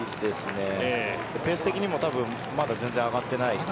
ペース的にもまだ上がっていません。